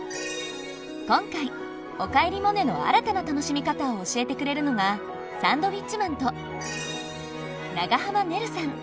今回「おかえりモネ」の新たな楽しみ方を教えてくれるのがサンドウィッチマンと長濱ねるさん。